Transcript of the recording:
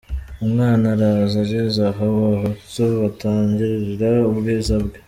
Umwana araza ageze aho, abahutu batangarira ubwiza bwe.